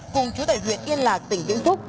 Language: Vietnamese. cùng chú tài huyện yên lạc tỉnh vĩnh phúc